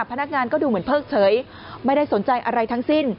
พนักงานก็ดูเหมือนเพิกเฉยไม่ได้สนใจอะไรทั้งสิ้น